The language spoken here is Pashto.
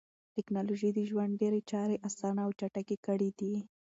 ټکنالوژي د ژوند ډېری چارې اسانه او چټکې کړې دي.